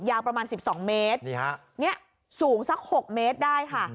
ยาวประมาณ๑๒เมตรสูงสัก๖เมตรได้ค่ะ